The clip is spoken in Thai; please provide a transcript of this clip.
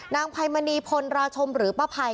ไพมณีพลราชมหรือป้าภัย